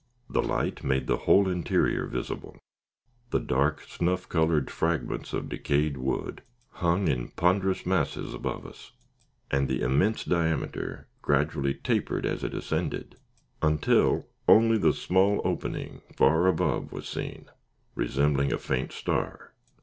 The light made the whole interior visible. The dark, snuff colored fragments of decayed wood hung in ponderous masses above us, and the immense diameter gradually tapered as it ascended, until only the small opening, far above, was seen, resembling a faint star.